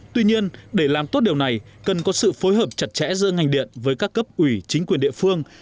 tuy nhiên để làm tốt điều này cần có sự phối hợp chặt chẽ giữa ngành điện với các cấp ủy chính quyền địa phương